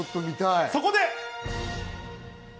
そこで。